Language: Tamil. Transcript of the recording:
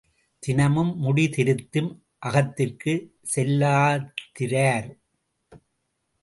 தினமும் முடி திருத்தும் அகத்திற்குச் செல்லாதிரார்.